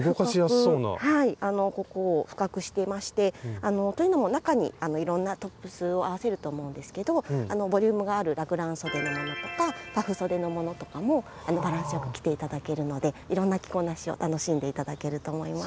はいここを深くしてましてというのも中にいろんなトップスを合わせると思うんですけどボリュームがあるラグランそでのものとかパフそでのものとかもバランスよく着て頂けるのでいろんな着こなしを楽しんで頂けると思います。